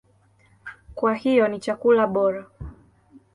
Kwa hiyo ni chakula bora.